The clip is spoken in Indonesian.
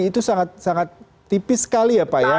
itu sangat sangat tipis sekali ya pak ya